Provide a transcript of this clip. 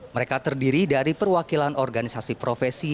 mereka terdiri dari perwakilan organisasi profesi